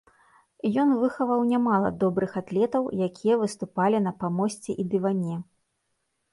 Ён выхаваў нямала добрых атлетаў, якія выступалі на памосце і дыване.